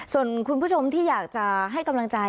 ส่วนคุณผู้ชมที่อยากจะให้กำลังใจ